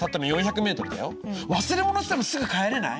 忘れ物してもすぐ帰れない？